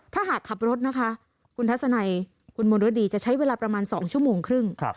ถ้าหากขับรถนะคะคุณทัศนัยคุณมณฤดีจะใช้เวลาประมาณ๒ชั่วโมงครึ่ง